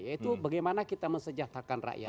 yaitu bagaimana kita mesejahterakan rakyat